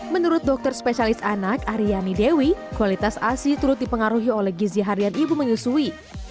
menurut dokter spesialis anak aryani dewi kualitas asi turut dipengaruhi oleh gizi harian ibu menyusui